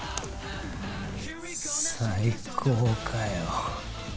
最高かよ。